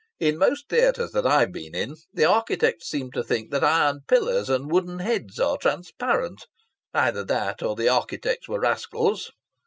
In most theatres that I've been in the architects seemed to think that iron pillars and wooden heads are transparent. Either that, or the architects were rascals!